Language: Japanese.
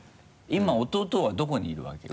今弟はどこにいるわけ？